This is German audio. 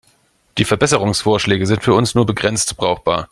Die Verbesserungsvorschläge sind für uns nur begrenzt brauchbar.